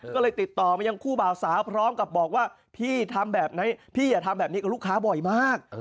ก็เลยติดต่อมายังคู่บ่าวสาวพร้อมกับบอกว่าพี่ทำแบบนี้กับลูกค้าบ่อยมาก